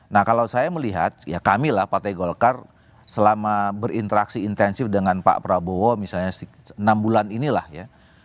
nah kalau saya melihat ya kami lah partai golkar selama berinteraksi intensif dengan pak prabowo misalnya enam bulan inilah ya